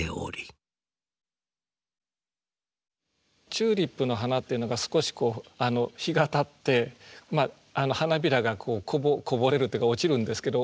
チューリップの花っていうのが少し日がたってまあ花びらがこぼれるっていうか落ちるんですけど。